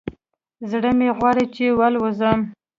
زړه مې غواړي چې والوزم